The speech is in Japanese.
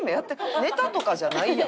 ネタとかじゃないやん。